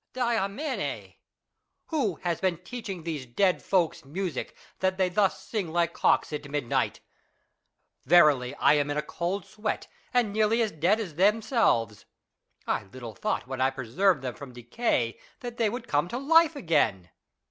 Diamine ! Who has been teaching these dead folks music, that they thus sing like cocks, at midnight ? Verily I am in a cold sweat, and nearly as dead as them selves. I little thought when I preserved them from decay, that they would come to life again.